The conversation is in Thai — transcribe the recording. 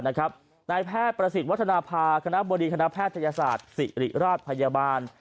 นายแพทย์ประสิทธิ์วัฒนภาคณะบดีคณะแพทยศาสตร์ศิริราชพยาบาล